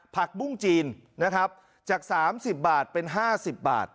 ผักบุ้งจีนนะครับจาก๓๐บาทเป็น๕๐บาท